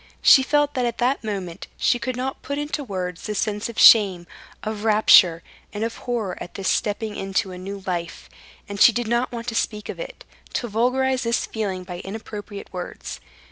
She felt that at that moment she could not put into words the sense of shame, of rapture, and of horror at this stepping into a new life, and she did not want to speak of it, to vulgarize this feeling by inappropriate words.